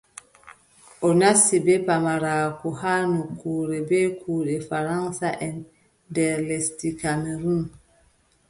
O nasti bee pamaraaku haa nokkure bee kuuɗe faraŋsaʼen nder lesdi Kamerun,